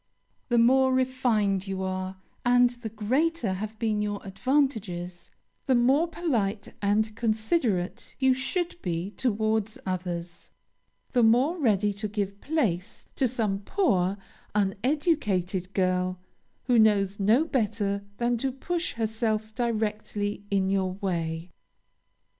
The more refined you are, and the greater have been your advantages, the more polite and considerate you should be toward others, the more ready to give place to some poor, uneducated girl, who knows no better than to push herself directly in your way.